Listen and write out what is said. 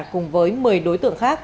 cùng với một mươi đối tượng khác